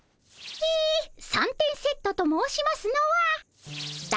え三点セットと申しますのはだ